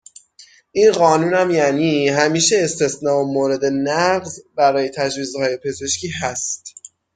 این قانون هم یعنی همیشه استثنا و مورد نقض برای تجویزهای پزشکی هست.